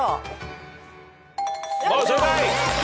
正解。